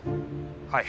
はい。